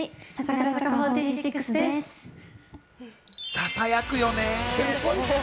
ささやくよね。